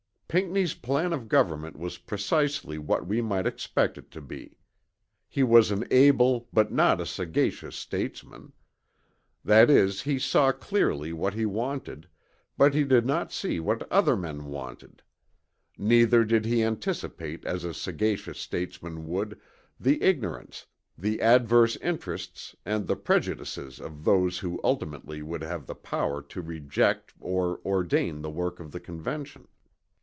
Pinckney's plan of government was precisely what we might expect it to be. He was an able but not a sagacious statesman; that is he saw clearly what he wanted, but he did not see what other men wanted. Neither did he anticipate as a sagacious statesman would, the ignorance, the adverse interests and the prejudices of those who ultimately would have the power to reject or ordain the work of the Convention.